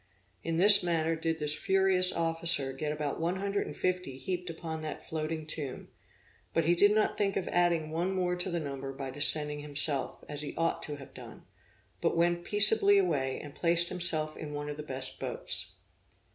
In this manner did this furious officer get about one hundred and fifty heaped upon that floating tomb; but he did not think of adding one more to the number by descending himself, as he ought to have done, but went peaceably away, and placed himself in one of the best boats.